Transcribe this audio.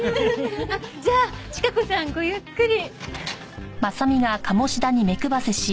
じゃあチカ子さんごゆっくり。